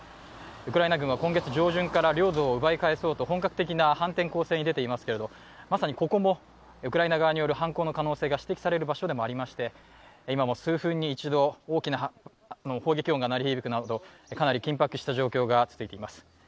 ウクライナ軍は今月上旬から領土を奪い返そうと本格的な反転攻勢に出ていますがまさにここもウクライナ側による反抗可能性が指摘される場所でもありまして、今も数分に一度、大きな砲撃音が鳴り響くなど、かなり緊迫した状況が続いています。